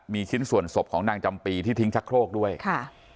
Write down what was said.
มีชิ้นส่วนศพของนางจำปีที่ทิ้งชักโครกด้วยค่ะ